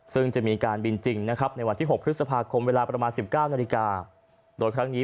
ซึ่งจะมีการบินจริงนะครับในวันที่๖พฤษภาคมเวลาประมาณ๑๙นาฬิกาโดยครั้งนี้